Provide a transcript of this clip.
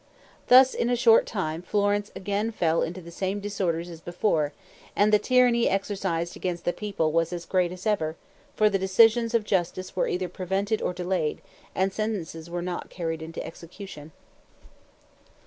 Thus in a short time Florence again fell into the same disorders as before, and the tyranny exercised against the people was as great as ever; for the decisions of justice were either prevented or delayed, and sentences were not carried into execution.